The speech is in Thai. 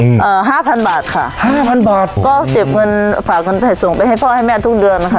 อ่าห้าพันบาทค่ะห้าพันบาทก็เก็บเงินฝากคนไทยส่งไปให้พ่อให้แม่ทุกเดือนนะคะ